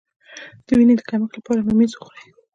د وینې د کمښت لپاره ممیز وخورئ